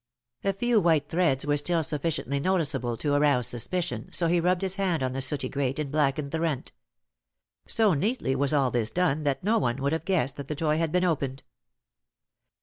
A few white threads were still sufficiently noticeable to arouse suspicion, so he rubbed his hand on the sooty grate and blackened the rent. So neatly was all this done that no one would have guessed that the toy had been opened.